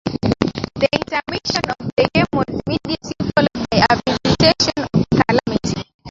The intermission of the games was immediately followed by a visitation of the calamity.